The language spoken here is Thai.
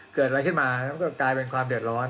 เกิดอะไรขึ้นมาแล้วก็กลายเป็นความเดือดร้อน